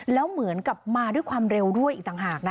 แล้วเหมือนกับมาด้วยความเร็วด้วยอีกต่างหากนะ